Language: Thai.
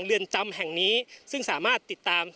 พร้อมด้วยผลตำรวจเอกนรัฐสวิตนันอธิบดีกรมราชทัน